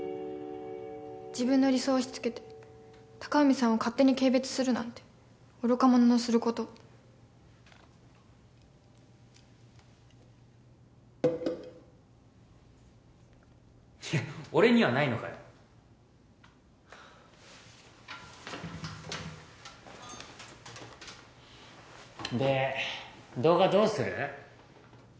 自分の理想を押しつけて隆文さんを勝手に軽蔑するなんて愚か者のすることいや俺にはないのかよで動画どうする？